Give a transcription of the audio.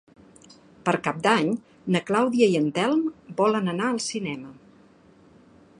Per Cap d'Any na Clàudia i en Telm volen anar al cinema.